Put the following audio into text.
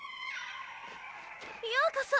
ようこそ！